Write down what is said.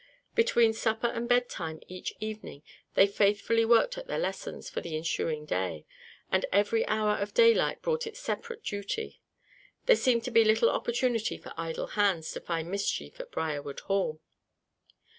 Between supper and bedtime each evening they faithfully worked at their lessons for the ensuing day and every hour of daylight brought its separate duty. There seemed to be little opportunity for idle hands to find mischief at Briarwood Hall.